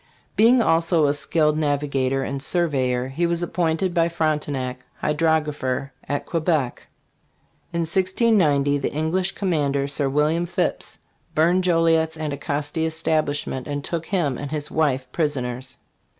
Being also a skilled navigator and surveyor, he was appointed by Frontenac hydrographer at Quebec. In 1690 the English commander, Sir William Phipps, burned Joliet's Anticosti establishment and took him and his wife prisoners.